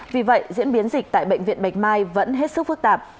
vì vậy diễn biến dịch tại bệnh viện bạch mai vẫn hết sức phức tạp